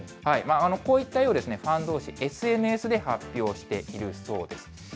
こういった絵をファンどうし、ＳＮＳで発表しているそうです。